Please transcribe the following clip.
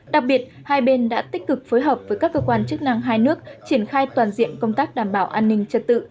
đặc biệt hai bên đã tích cực phối hợp với các cơ quan chức năng hai nước triển khai toàn diện công tác đảm bảo an ninh trật tự